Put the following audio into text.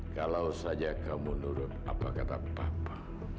kalau saja kamu menurut apa kata papa